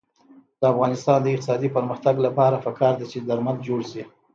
د افغانستان د اقتصادي پرمختګ لپاره پکار ده چې درمل جوړ شي.